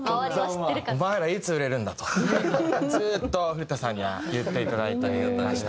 「お前らいつ売れるんだ？」とずっと古田さんには言っていただいてましたからね。